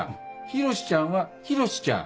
洋ちゃんは洋ちゃん。